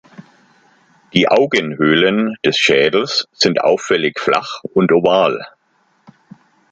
Die Augenhöhlen des Schädels sind auffällig flach und oval.